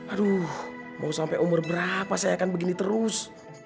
aduh mau sampai umur berapa saya akan begini terus